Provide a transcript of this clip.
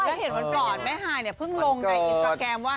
เมื่อก่อนแม่ไห่เนี่ยเพิ่งลงในอินสตราแกรมว่า